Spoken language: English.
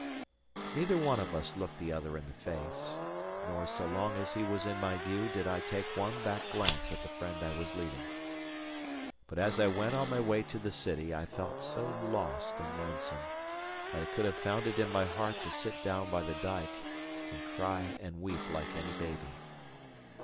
Neither one of us looked the other in the face, nor so long as he was in my view did I take one back glance at the friend I was leaving. But as I went on my way to the city, I felt so lost and lonesome, that I could have found it in my heart to sit down by the dyke, and cry and weep like any baby.